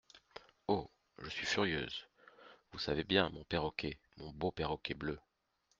Oh ! je suis furieuse !… vous savez bien, mon perroquet… mon beau perroquet bleu ?…